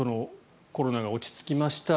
コロナが落ち着きました